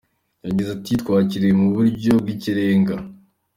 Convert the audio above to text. Yagize ati “Twakiriwe mu buryo bw’ikirenga.